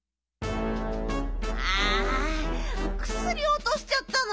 あくすりおとしちゃったの？